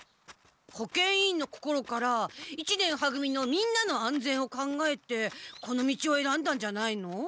保健委員の心から一年は組のみんなの安全を考えてこの道をえらんだんじゃないの？